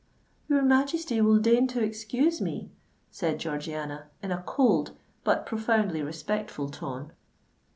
"Your Majesty will deign to excuse me," said Georgiana, in a cold but profoundly respectful tone.